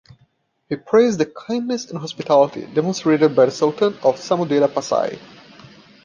He praised the kindness and hospitality demonstrated by the sultan of Samudera Pasai.